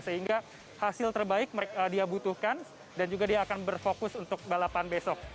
sehingga hasil terbaik dia butuhkan dan juga dia akan berfokus untuk balapan besok